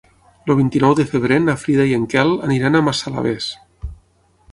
El vint-i-nou de febrer na Frida i en Quel aniran a Massalavés.